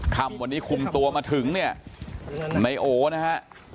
คำวันนี้คุมตัวมาถึงเนี่ยในโอนะฮะ